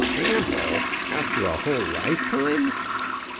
"Ample; after a whole lifetime!"